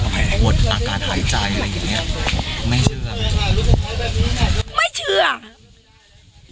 ปวดอาการหายใจอะไรอย่างเงี้ยไม่เชื่อไม่เชื่อ